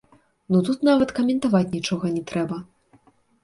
Ну тут нават каментаваць нічога не трэба!